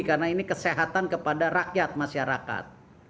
karena ini kesehatan kepada rakyat masyarakat